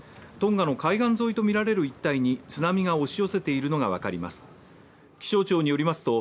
トンガの海岸沿いとみられる一帯に津波が押し寄せているのが分かります。